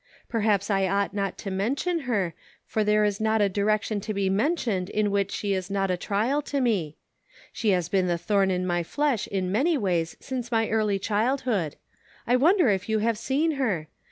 Perhaps I ought not to mention her, for there is not a direction to be mentioned in which she is not atrial tome; she has been the thorn in my flesh in many ways since my early childhood. I wonder if you have seen her